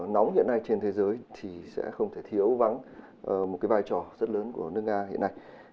nóng hiện nay trên thế giới thì sẽ không thể thiếu vắng một cái vai trò rất lớn của nước nga hiện nay